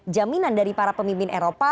jaminan dari para pemimpin eropa